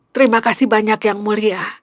terima kasih banyak yang mulia